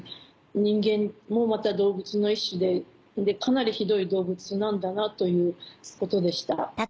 人間もまた動物の一種でかなりひどい動物なんだなということでした。